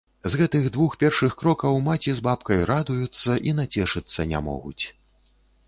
З гэтых двух першых крокаў маці з бабкай радуюцца і нацешыцца не могуць.